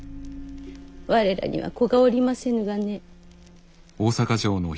我らには子がおりませぬがね。